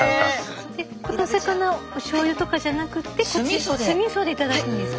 このお魚おしょうゆとかじゃなくて酢みそで頂くんですか？